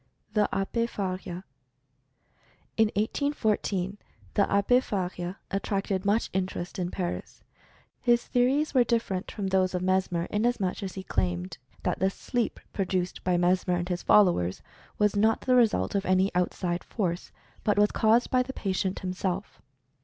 THE ABBE FARIA. In 1814, the Abbe Faria attracted much interest in Paris. His theories were different from those of Mes mer, inasmuch as he claimed that the "sleep" pro duced by Mesmer and his followers was not the re sult of any outside force, but was caused by the pa tient himself.